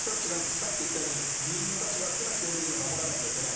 さっき言ったように、議員の立場というのは基本的に守らなきゃいけない。